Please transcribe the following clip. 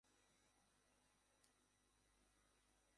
আমি মিথ্যা বলেছি?